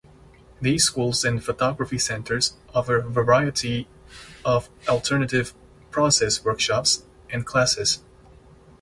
These schools and photography centers offer a variety of alternative process workshops and classes.